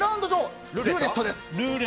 ルーレットです。